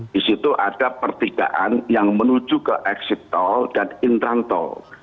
di situ ada pertigaan yang menuju ke exit tol dan interran tol